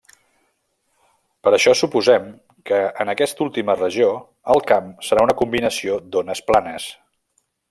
Per això suposem que en aquesta última regió el camp serà una combinació d'ones planes.